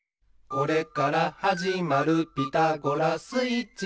「これからはじまるピタゴラスイッチは」